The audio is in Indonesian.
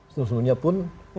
seluruh dunia pun